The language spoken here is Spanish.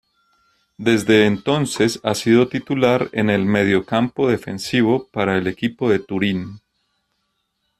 Desde entonces ha sido titular en el mediocampo defensivo para el equipo de Turín.